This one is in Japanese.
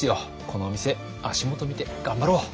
このお店足元見て頑張ろう。